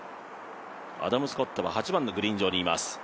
アダム・スコットは８番のグリーン上にいます。